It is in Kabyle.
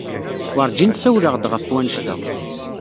Werjin ssawleɣ-d ɣef wanect-a.